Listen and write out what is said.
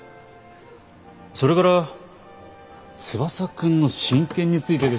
それから翼くんの親権についてですが。